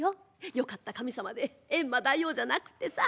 よかった神様でエンマ大王じゃなくってさ。